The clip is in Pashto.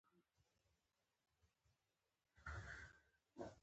مانا يې هم د اوس په څېر نه وه.